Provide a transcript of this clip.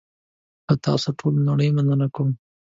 له تاسوټولونړۍ مننه کوم .